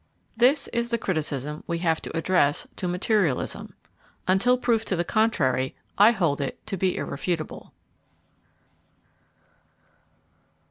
This is the criticism we have to address to materialism. Until proof to the contrary, I hold it to be irrefutable.